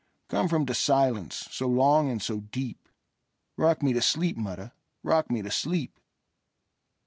Come from the silence so long and so deep;—Rock me to sleep, mother,—rock me to sleep!